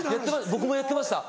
僕もやってました。